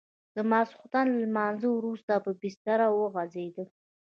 د ماخستن له لمانځه وروسته په بستره وغځېدم.